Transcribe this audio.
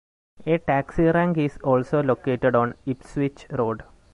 A taxi rank is also located on Ipswich Road.